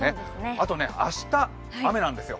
あと明日、雨なんですよ。